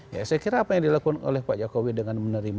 ya saya kira apa yang dilakukan oleh pak jokowi dengan menerima